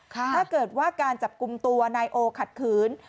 ถ้าเกิดว่าการจับกลุ่มตัวนายโอขัดขืน